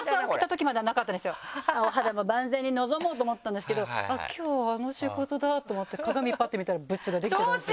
お肌も万全に臨もうと思ったんですけど今日あの仕事だと思って鏡パって見たらブツができてたんですよ。